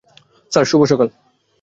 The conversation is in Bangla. স্যার, শুভ সকাল।